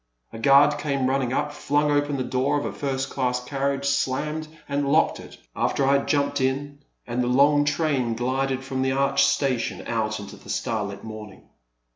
A guard came running up, flung open the door of a first class carriage, slammed and locked it, after I had jumped in, and the long train glided from the arched station out into the starlit morning.